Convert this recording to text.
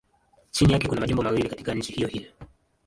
Chini yake kuna majimbo mawili katika nchi hiyohiyo.